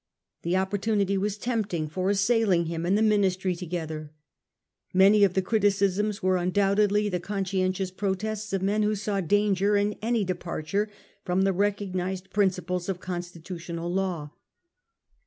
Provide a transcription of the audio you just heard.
The opportunity was tempting for assailing him and the Ministry together. Many of the criticisms were undoubtedly the conscientious protests of men who saw danger in any departure from the recognised principles of constitutional law.